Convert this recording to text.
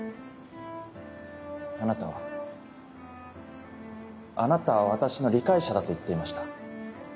あなたはあなたは私の理解者だと言っていました。